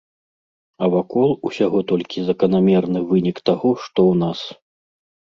А вакол усяго толькі заканамерны вынік таго, што ў нас.